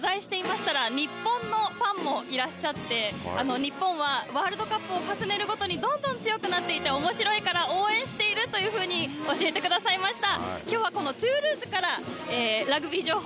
先ほどちょっと取材していましたら日本のファンもいらっしゃって、日本は、ワールドカップを重ねるごとにどんどん強くなっていて、おもしろいから応援しているというふうに教えてくださいました。